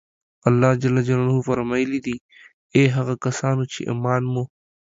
الله جل جلاله فرمایلي دي: اې هغه کسانو چې ایمان مو